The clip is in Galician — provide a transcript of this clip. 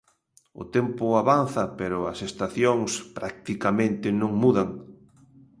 O tempo avanza pero as estacións practicamente non mudan.